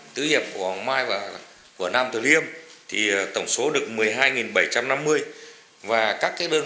theo kế hoạch của bộ tư tổng số được bốn năm trăm bốn mươi bốn trường